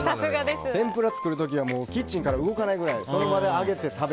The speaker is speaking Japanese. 天ぷら作る時はキッチンから動かないくらい。